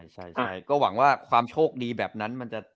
ใช่ก็หวังว่าความโชคดีแบบนั้นมันจะ